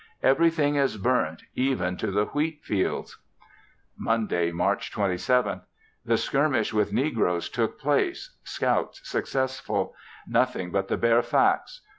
Everything is burnt even to the wheat fields. Monday, March 27th. The skirmish with negroes took place, scouts successful, nothing but the bare facts.